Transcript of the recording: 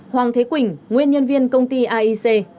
hoàng thế quỳnh nguyên nhân viên công ty aic